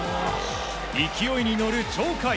勢いに乗る鳥海。